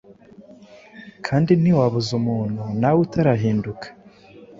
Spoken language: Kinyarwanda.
kandi ntiwabuza umuntu nawe utarahinduka